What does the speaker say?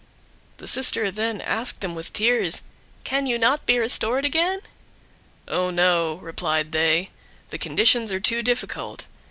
Their sister then asked them with tears, "Can you not be restored again?" "Oh, no," replied they, "the conditions are too difficult.